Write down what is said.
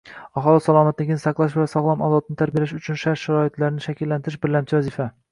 Aholi salomatligini saqlash va sog‘lom avlodni tarbiyalash uchun shart sharoitlarni shakllantirish birlamchi vazifa.